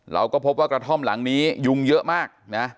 เราก็พบว่ากระท่อมหลังนี้ยุงเยอะมากนะ